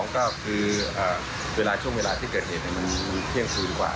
๒ก็คือช่วงเวลาที่เกิดเหตุมันเครี่ยงคู่ดีกว่า